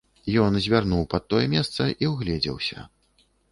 Ён звярнуў пад тое месца і ўгледзеўся.